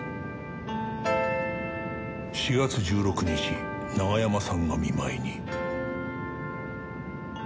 「４月１６日永山さんが見舞いに」